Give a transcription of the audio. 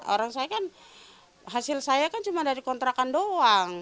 orang saya kan hasil saya kan cuma dari kontrakan doang